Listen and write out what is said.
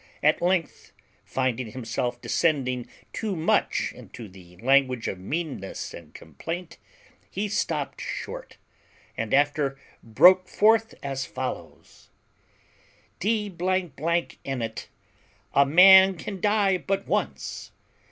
At length, finding himself descending too much into the language of meanness and complaint, he stopped short, and after broke forth as follows: "D n it, a man can die but once!